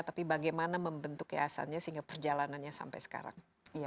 tapi bagaimana membentuk yayasannya sehingga perjalanannya sampai sekarang